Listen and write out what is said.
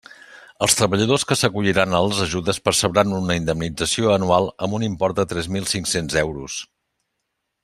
Els treballadors que s'acolliran a les ajudes percebran una indemnització anual amb un import de tres mil cinc-cents euros.